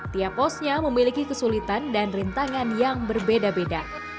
tiap posnya memiliki kesulitan dan rintangan yang berbeda beda